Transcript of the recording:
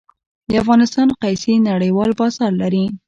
د افغانستان قیسی نړیوال بازار لري